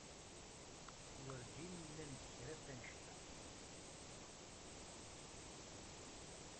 Werǧin nnan-d kra f annect-a.